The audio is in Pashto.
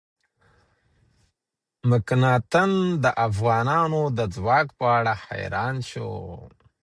مکناتن د افغانانو د ځواک په اړه حیران شو.